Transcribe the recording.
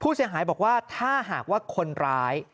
เสียหายบอกว่าถ้าหากว่าคนร้าย